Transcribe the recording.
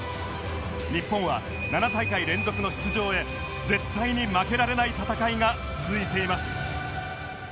日本は７大会連続の出場へ絶対に負けられない戦いが続いています